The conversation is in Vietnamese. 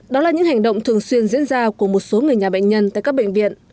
đó là những hành động thường xuyên diễn ra của một số người nhà bệnh nhân tại các bệnh viện